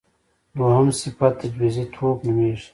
دویم صفت تجویزی توب نومېږي.